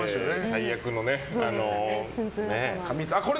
最悪のね。